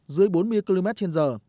dưới bốn mươi km trên giờ